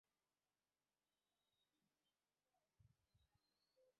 সমালোচকেরা ছবিটি সম্পর্কে মিশ্র প্রতিক্রিয়া ব্যক্ত করলেও এটি বাণিজ্যিকভাবে সাফল্য অর্জন করে।